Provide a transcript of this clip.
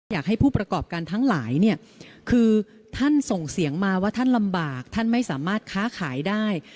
อยากให้ผู้ประกอบการทั้งหลายเนี่ยคือท่านส่งเสียงมาว่าท่านลำบากท่านไม่สามารถค้าขายได้